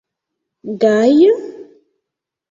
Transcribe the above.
Gaja?